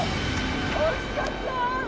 惜しかった。